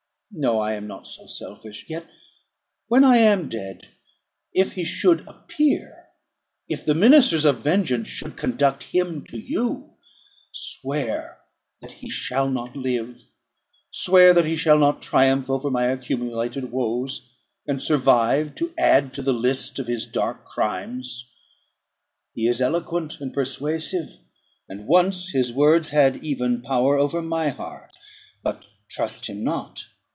No; I am not so selfish. Yet, when I am dead, if he should appear; if the ministers of vengeance should conduct him to you, swear that he shall not live swear that he shall not triumph over my accumulated woes, and survive to add to the list of his dark crimes. He is eloquent and persuasive; and once his words had even power over my heart: but trust him not.